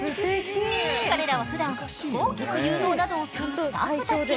彼らはふだん飛行機の誘導などをするスタッフたち。